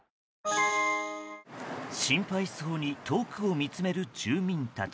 心配そうに遠くを見つめる住民たち。